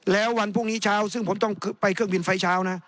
แล้ววันพรุ่งนี้เช้าซึ่งผมต้องไปเครื่องบินไฟเช้านะ